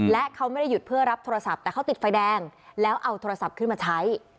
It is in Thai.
และเขาไม่ได้หยุดเพื่อรับโทรศัพท์แต่เขาติดไฟแดงแล้วเอาโทรศัพท์ขึ้นมาใช้